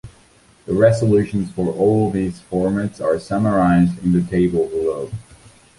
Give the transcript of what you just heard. The resolutions for all of these formats are summarized in the table below.